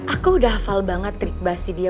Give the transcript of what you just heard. aku udah hafal banget terik basi dia